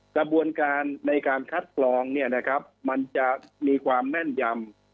กระบวนการในการคัดกรองมันจะมีความแม่นยำ